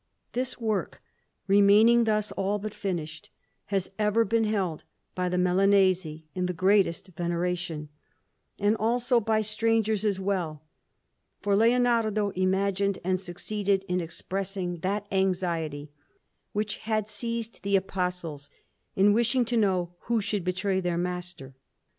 This work, remaining thus all but finished, has ever been held by the Milanese in the greatest veneration, and also by strangers as well; for Leonardo imagined and succeeded in expressing that anxiety which had seized the Apostles in wishing to know who should betray their Master.